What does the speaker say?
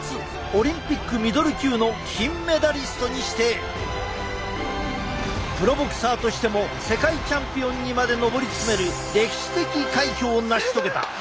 オリンピックミドル級の金メダリストにしてプロボクサーとしても世界チャンピオンにまで上り詰める歴史的快挙を成し遂げた！